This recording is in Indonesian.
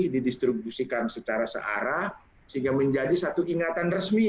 didistribusikan secara searah sehingga menjadi satu ingatan resmi